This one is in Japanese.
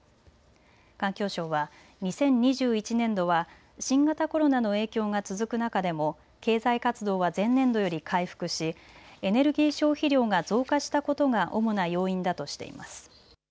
環境省は２０２１年度は新型コロナの影響が続く中でも経済活動は前年度より回復しエネルギー消費量が増加したことが主な要因だとしています。